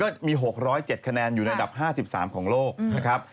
ก็มี๖๐๗คะแนนอยู่ในระดับ๕๓ของโลกนะครับ